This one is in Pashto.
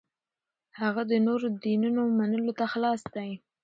هغه د نورو دینونو منلو ته خلاص دی.